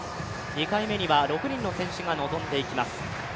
２回目には６人の選手が臨んでいきます。